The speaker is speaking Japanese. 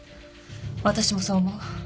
私もそう思う。